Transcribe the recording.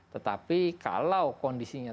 tetapi kalau kondisinya